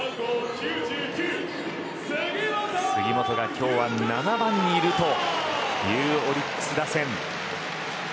杉本が今日は７番にいるというオリックス打線。